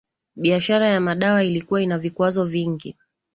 Biashara ya madawa ilikuwa ina vikwazo vingi